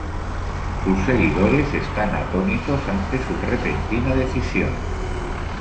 Sus seguidores están atónitos ante su repentina decisión.